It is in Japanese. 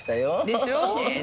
でしょ？